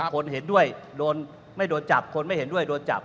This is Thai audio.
คนเห็นด้วยโดนไม่โดนจับคนไม่เห็นด้วยโดนจับ